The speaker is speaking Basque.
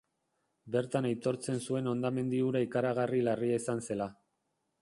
Bertan aitortzen zuen hondamendi hura ikaragarri larria izan zela.